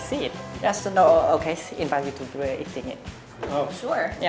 khi ăn bánh xanh thì bánh cơm cần phải bị dùng vào bánh xanh